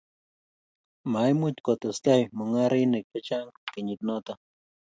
maimuch kotestai mung'arenik che chang' eng' kenyit noto